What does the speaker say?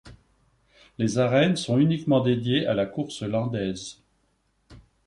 Les arènes sont uniquement dédiées à la course landaise.